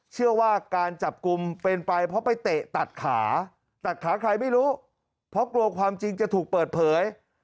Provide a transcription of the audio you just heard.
เชื่อว่าการจับกลุ่มเป็นไปเพราะไปเตะตัดขาตัดขาใครไม่รู้เพราะกลัวความจริงจะถูกเปิดเผย